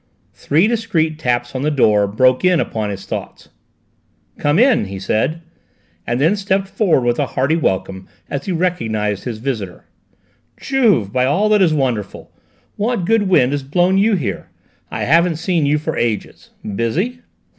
Three discreet taps on the door broke in upon his thoughts. "Come in," he said, and then stepped forward with a hearty welcome as he recognised his visitor. "Juve, by all that is wonderful! What good wind has blown you here? I haven't seen you for ages. Busy?"